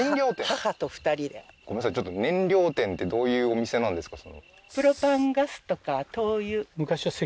ごめんなさい燃料店ってどういうお店なんですか？